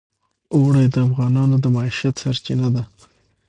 اوړي د افغانانو د معیشت سرچینه ده.